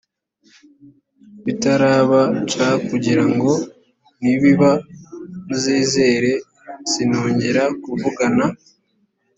bitaraba c kugira ngo nibiba muzizere sinongera kuvugana